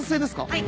はい。